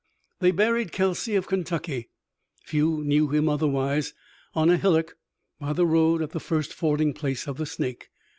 They buried Kelsey of Kentucky few knew him otherwise on a hillock by the road at the first fording place of the Snake.